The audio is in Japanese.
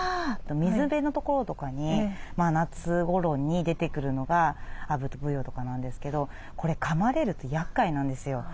水辺の所とかに夏ごろに出てくるのがアブとブヨとかなんですけどこれかまれるとやっかいなんですよ。